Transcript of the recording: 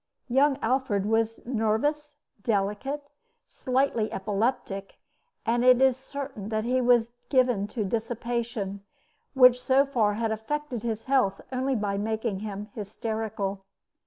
Young Alfred was nervous, delicate, slightly epileptic, and it is certain that he was given to dissipation, which so far had affected his health only by making him hysterical.